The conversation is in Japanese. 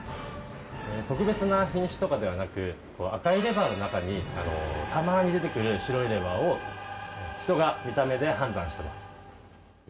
特別な品種とかではなく赤いレバーの中にたまに出てくる白いレバーを人が見た目で判断してます。